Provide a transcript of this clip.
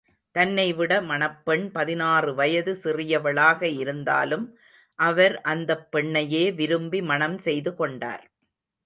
தன்னை விட மணப்பெண் பதினாறு வயது சிறியவளாக இருந்தாலும், அவர் அந்தப் பெண்ணையே விரும்பி மணம் செய்து கொண்டார்!